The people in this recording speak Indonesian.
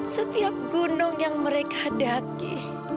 setiap gunung yang mereka daki